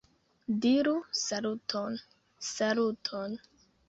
- Diru "Saluton"! - "Saluton"!